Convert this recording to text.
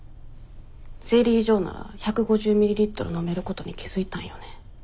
ゼリー状なら１５０ミリリットル飲めることに気付いたんよね。